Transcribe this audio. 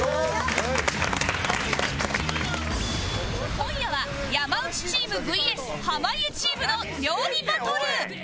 今夜は山内チーム ＶＳ 濱家チームの料理バトル